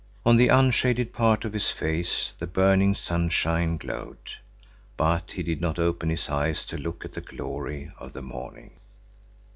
On the unshaded part of his face the burning sunshine glowed. But he did not open his eyes to look at the glory of the morning.